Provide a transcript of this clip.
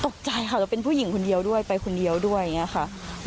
ตกใจค่ะแต่เป็นผู้หญิงคนเดียวด้วยไปคนเดียวด้วยอย่างนี้ค่ะ